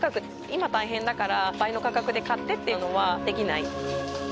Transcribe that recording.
今大変だから倍の価格で買ってっていうのはできない。